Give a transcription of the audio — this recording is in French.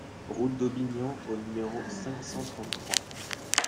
Route d'Aubignan au numéro cinq cent trente-trois